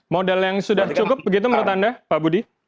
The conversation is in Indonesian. modal yang sudah cukup begitu menurut anda pak budi